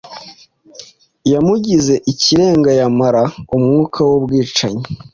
Yamugize ikirengayamara umwuka wubwicanyi